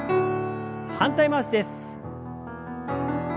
反対回しです。